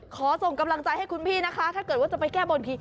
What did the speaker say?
ส่งกำลังใจให้คุณพี่นะคะถ้าเกิดว่าจะไปแก้บนที